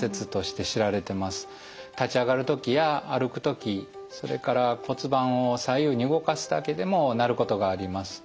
立ち上がる時や歩く時それから骨盤を左右に動かすだけでも鳴ることがあります。